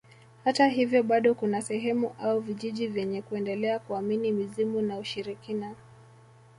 Hata hivyo bado kuna sehemu au vijiji vyenye kuendelea kuamini mizimu na ushirikina